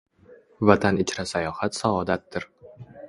Vatan ichra sayohat saodatdir